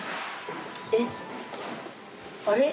えっあれ？